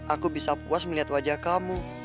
aku bisa puas melihat wajah kamu